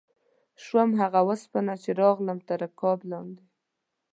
شوم هغه اوسپنه چې راغلم تر رکاب لاندې